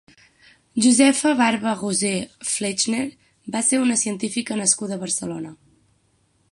Josefa Barba-Gosé Flexner va ser una científica nascuda a Barcelona.